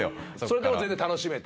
それでも全然楽しめて？